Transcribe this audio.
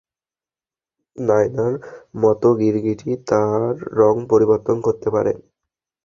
নায়নার মতো গিরগিটি তার রং পরিবর্তন করতে পারে।